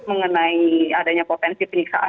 mengenai adanya potensi penyiksaan